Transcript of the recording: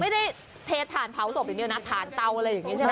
ไม่ได้เทถ่านเผาศพอย่างเดียวนะฐานเตาอะไรอย่างนี้ใช่ไหม